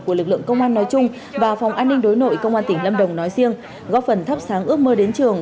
của lực lượng công an nói chung và phòng an ninh đối nội công an tỉnh lâm đồng nói riêng góp phần thắp sáng ước mơ đến trường